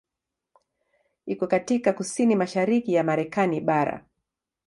Iko katika kusini-mashariki ya Marekani bara.